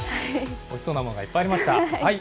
おいしそうなものがいっぱいありました。